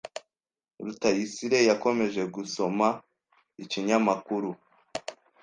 Rutayisire yakomeje gusoma ikinyamakuru